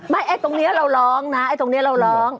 ไอ้ตรงนี้เราร้องนะไอ้ตรงนี้เราร้อง